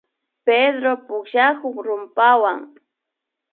Pedro pukllakun rumpawan